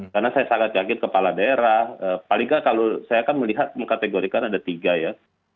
karena saya sangat yakin kepala daerah paling nggak kalau saya akan melihat mengkategorikan ada tiga ya